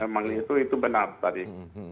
memang itu benar tadi